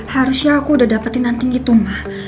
harusnya aku udah dapetin anting itu ma